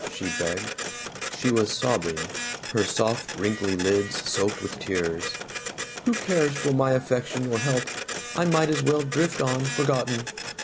she begged. She was sobbing, her soft wrinkly lids soaked with tears. "Who cares for my affection or help? I might as well drift on, forgotten.